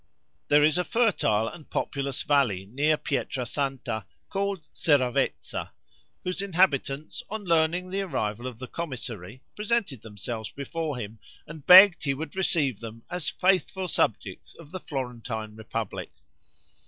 There is a fertile and populous valley near Pietrasanta, called Seravezza, whose inhabitants, on learning the arrival of the commissary, presented themselves before him and begged he would receive them as faithful subjects of the Florentine republic.